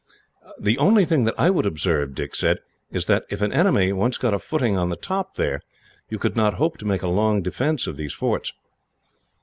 "The only thing that I would observe," Dick said, "is that, if an enemy once got a footing on the top here, you could not hope to make a long defence of these forts."